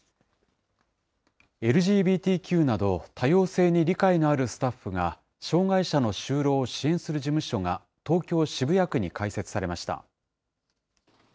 ＬＧＢＴＱなど、多様性に理解のあるスタッフが、障害者の就労を支援する事務所が東京・渋谷区に開設されました。